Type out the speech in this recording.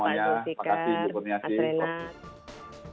terima kasih pak abed prof sulfikar pak srenat